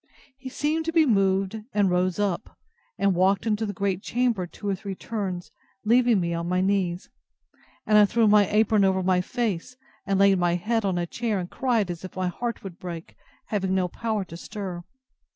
He seemed to be moved, and rose up, and walked into the great chamber two or three turns, leaving me on my knees; and I threw my apron over my face, and laid my head on a chair, and cried as if my heart would break, having no power to stir.